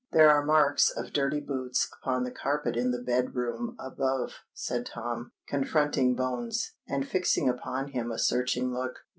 "There are marks of dirty boots upon the carpet in the bed room above," said Tom, confronting Bones, and fixing upon him a searching look.